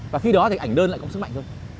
và khi đó thì ảnh đơn lại có sức mạnh thôi